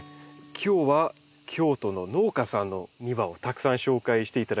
今日は京都の農家さんの庭をたくさん紹介していただきました。